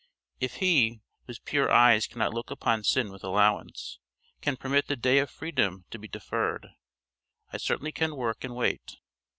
If He, whose pure eyes cannot look upon sin with allowance, can permit the day of freedom to be deferred, I certainly can work and wait.